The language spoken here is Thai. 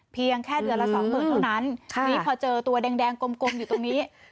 เพียงแค่เดือนละสองหมื่นเท่านั้นทีนี้พอเจอตัวแดงกลมอยู่ตรงนี้